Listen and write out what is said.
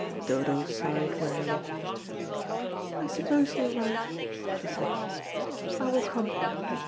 Dodo sighed wearily. "I suppose you are right," she said; "I will come."